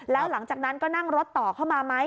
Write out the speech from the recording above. แล้วหลังจากนั้นก็นั่งรถต่อเข้ามาไหม